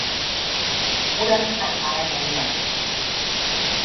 Ur handitan, arrain handiak.